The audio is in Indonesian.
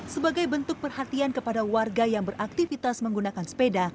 sebagai bentuk perhatian kepada warga yang beraktivitas menggunakan sepeda